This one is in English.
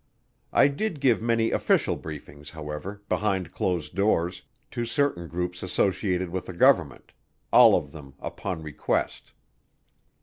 I did give many official briefings, however, behind closed doors, to certain groups associated with the government all of them upon request.